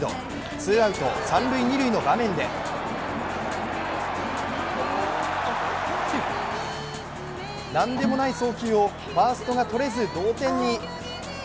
ツーアウト三・二塁の場面で何でもない送球をファーストがとれず、同点に。